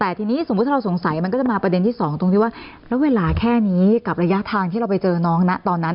แต่ทีนี้สมมุติถ้าเราสงสัยมันก็จะมาประเด็นที่สองตรงที่ว่าแล้วเวลาแค่นี้กับระยะทางที่เราไปเจอน้องนะตอนนั้น